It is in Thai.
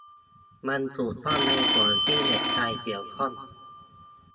มันถูกต้องในส่วนที่เด็กชายเกี่ยวข้อง